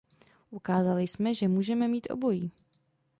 Ukázali jsme, že můžeme mít obojí.